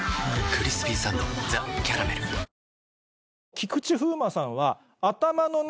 菊池風磨さんは。